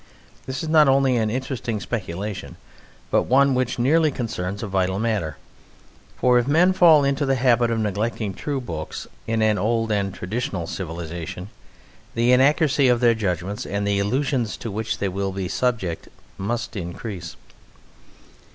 This is not only an interesting speculation, but one which nearly concerns a vital matter. For if men fall into the habit of neglecting true books in an old and traditional civilization, the inaccuracy of their judgments and the illusions to which they will be subject, must increase.